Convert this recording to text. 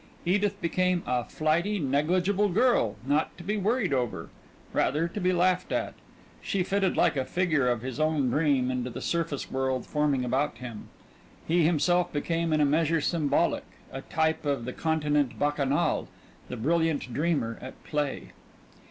Edith became a flighty, negligible girl, not to be worried over; rather to be laughed at. She fitted like a figure of his own dream into the surface world forming about him. He himself became in a measure symbolic, a type of the continent bacchanal, the brilliant dreamer at play.